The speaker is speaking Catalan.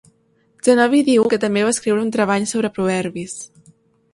Zenobi diu que també va escriure un treball sobre proverbis.